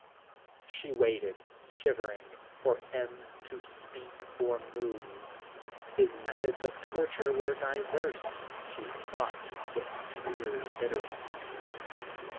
She waited, shivering, for him to speak or move. His methods of torture were diverse, she thought with dreary bitterness.